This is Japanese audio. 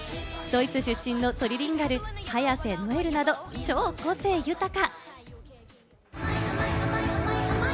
ドイツ出身のトリリンガル早瀬ノエルなど超個性豊か。